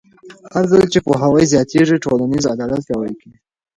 هرځل چې پوهاوی زیاتېږي، ټولنیز عدالت پیاوړی کېږي.